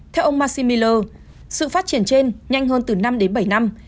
theo ông maxi miller sự phát triển trên nhanh hơn từ năm đến bảy năm